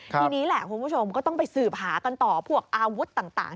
ทีนี้แหละคุณผู้ชมก็ต้องไปสืบหากันต่อพวกอาวุธต่าง